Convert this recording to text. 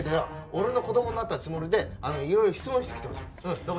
俺の子供になったつもりでいろいろ質問してきてほしいんだ。